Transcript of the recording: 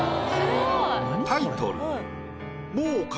タイトル